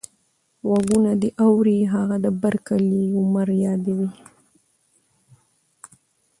غوږونه دې اوري هغه د بر کلي عمر يادوې.